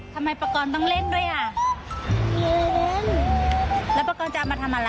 ทำไมปากรต้องเล่นด้วยอ่ะแล้วปากรจะเอามาทำอะไร